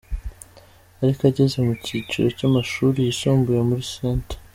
Ariko ageze mu cyiciro cy’amashuri yisumbuye muri St.